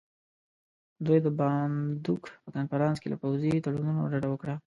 دوی د باندونک په کنفرانس کې له پوځي تړونونو ډډه وکړه.